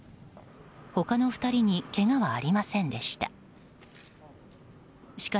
他の２人にけがはありませんでした。